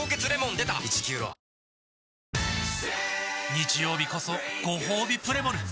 日曜日こそごほうびプレモル！